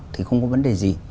thì không có vấn đề gì